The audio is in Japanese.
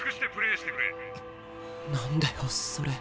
何だよそれ。